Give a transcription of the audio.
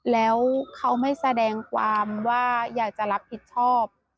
แล้วเขาไม่แสดงความว่าอยากจะรับผิดชอบ